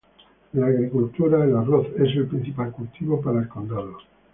En la agricultura, el arroz es el principal cultivo para el condado.